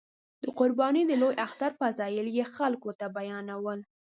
د قربانۍ د لوی اختر فضایل یې خلکو ته بیانول.